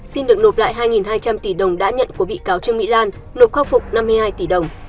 xin được nộp lại hai hai trăm linh tỷ đồng đã nhận của bị cáo trương mỹ lan nộp khắc phục năm mươi hai tỷ đồng